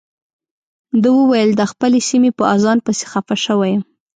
ده وویل د خپلې سیمې په اذان پسې خپه شوی یم.